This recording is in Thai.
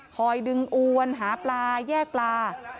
คอยดึงอวนหาปลาแยกปลา